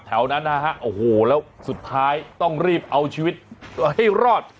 แถวนั้นนะฮะโอ้โหแล้วสุดท้ายต้องรีบเอาชีวิตให้รอด